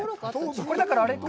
これだから、あれか。